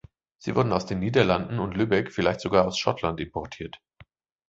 Sie wurden aus den Niederlanden und Lübeck, vielleicht sogar aus Schottland importiert.